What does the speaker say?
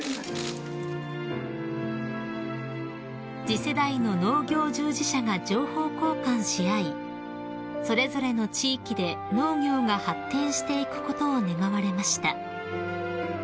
［次世代の農業従事者が情報交換し合いそれぞれの地域で農業が発展していくことを願われました］